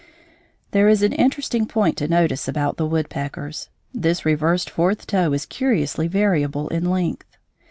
There is an interesting point to notice about the woodpeckers. This reversed fourth toe is curiously variable in length.